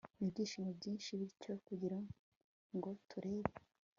n'ibyishimo byinshi, bityo kugirango turebe